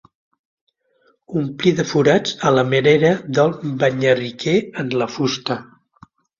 Omplí de forats a la manera del banyarriquer en la fusta.